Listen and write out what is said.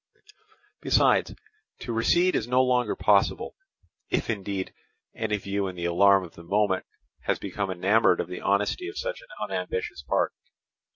Besides, to recede is no longer possible, if indeed any of you in the alarm of the moment has become enamoured of the honesty of such an unambitious part.